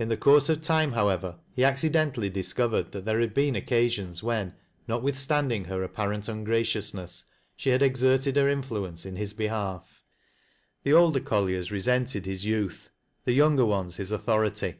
In course of time, however, he accidentally discovered iiiat there had been occasions when, notwithstanding her »pparent ungraciousness, she had exerted her influence in hie behalf. The older colliers resented his youth, the younger ones his authority.